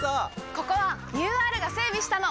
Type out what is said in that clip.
ここはＵＲが整備したの！